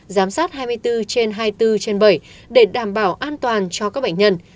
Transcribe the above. giám sát hai mươi bốn trên hai mươi bốn trên bảy để đảm bảo an toàn cho các bệnh nhân